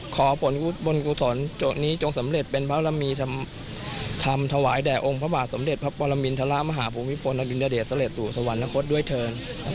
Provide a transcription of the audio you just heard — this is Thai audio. ขอบนกุศลจนละนี้จงสำเร็จเป็นพระวรรมี